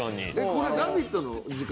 これ「ラヴィット！」の時間？